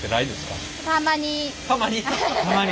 たまに？